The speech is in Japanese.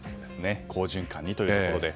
好循環にというところで。